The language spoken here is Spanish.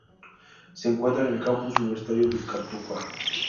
Se encuentra en el Campus Universitario de Cartuja.